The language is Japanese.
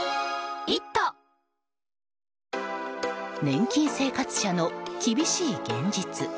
年金生活者の厳しい現実。